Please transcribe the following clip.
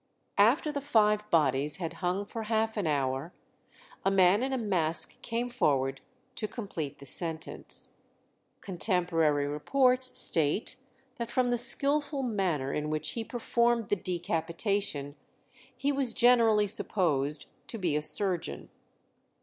After the five bodies had hung for half an hour, a man in a mask came forward to complete the sentence. Contemporary reports state that from the skilful manner in which he performed the decapitation, he was generally supposed to be a surgeon.